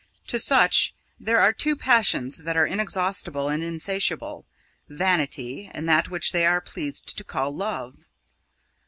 To such, there are two passions that are inexhaustible and insatiable vanity and that which they are pleased to call love.